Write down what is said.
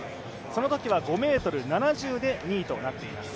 そのときは５ｍ７０で２位となっています。